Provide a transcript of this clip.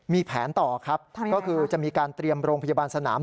มีแผนต่อครับก็คือจะมีการเตรียมโรงพยาบาลสนาม